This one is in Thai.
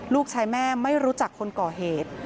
ลูกชายแม่ไม่รู้จักคนก่อเหตุ